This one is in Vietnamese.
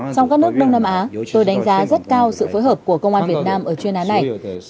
trong các nước đông nam á tôi đánh giá rất cao sự phối hợp của công an việt nam ở chuyên án này